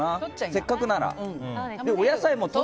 せっかくなら。